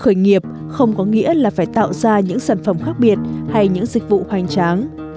khởi nghiệp không có nghĩa là phải tạo ra những sản phẩm khác biệt hay những dịch vụ hoành tráng